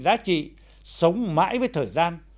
giá trị sống mãi với thời gian